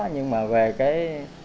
nhưng mà về cái